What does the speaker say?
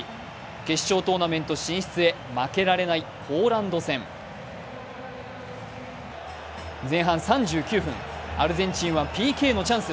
決勝トーナメント進出へ負けられないポーランド戦。前半３９分、アルゼンチンはＰＫのチャンス。